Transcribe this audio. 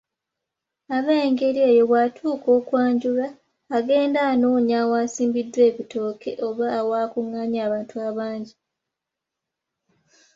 Ab’engeri eyo bw’atuuka okwanjulwa, agenda anoonya awasimbiddwa ebitooke oba awakunganye abantu abangi !